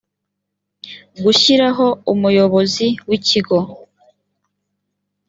gushyiraho umuyobozi w ikigo